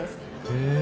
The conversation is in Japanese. へえ。